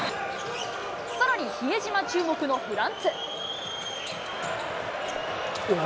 さらに、比江島注目のフランツ。